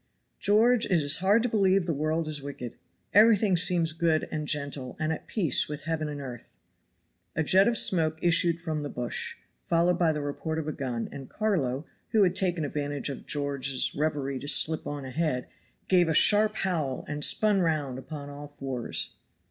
"George, it is hard to believe the world is wicked. Everything seems good, and gentle, and at peace with heaven and earth." A jet of smoke issued from the bush, followed by the report of a gun, and Carlo, who had taken advantage of George's revery to slip on ahead, gave a sharp howl, and spun round upon all fours.